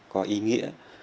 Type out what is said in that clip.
có ý nghĩa